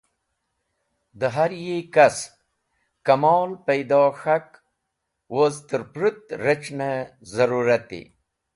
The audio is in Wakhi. De Har yi Kasp kamol paido k̃hak woz terpurut rec̃hne zarurati.